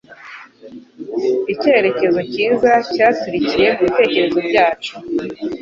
Icyerekezo cyiza cyaturikiye mubitekerezo byacu.